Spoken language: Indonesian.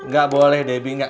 gak boleh debi